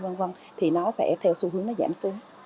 về nhiệt này nọ kia v v thì nó sẽ theo xu hướng nó giảm xuống